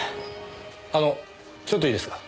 あのちょっといいですか。